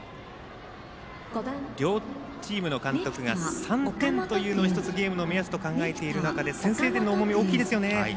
両チームの監督が３点というのをゲームの目安と考えている中で先制点の重み、大きいですよね。